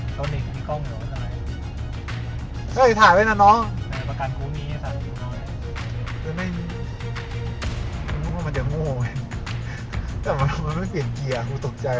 เฮ้ยถ่ายไว้น่ะน้องประกันกูมีทำไม